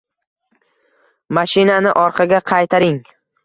Mashinani orqaga qaytaring